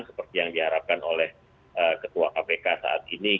seperti yang diharapkan oleh ketua kpk saat ini